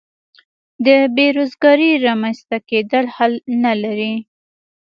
د بې روزګارۍ رامینځته کېدل حل نه لري.